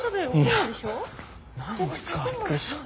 なんすかびっくりした。